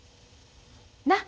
なっ？